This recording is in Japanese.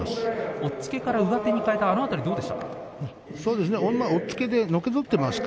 押っつけから上手に変えた方ではどうですか。